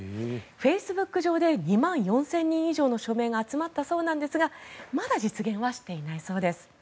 フェイスブック上で２万４０００人以上の署名が集まったそうなんですがまだ実現はしていないそうです。